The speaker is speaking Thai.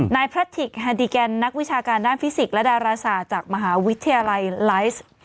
พระทิกแฮดิแกนนักวิชาการด้านฟิสิกส์และดาราศาสตร์จากมหาวิทยาลัยไลฟ์